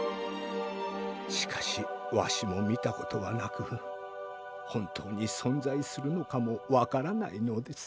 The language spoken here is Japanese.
しかしわしもみたことはなくほんとうにそんざいするのかもわからないのです。